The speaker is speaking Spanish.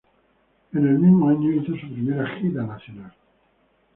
En el mismo año hizo su primera gira nacional.